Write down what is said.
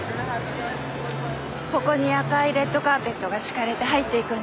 ここに赤いレッドカーペットが敷かれて入っていくんですね。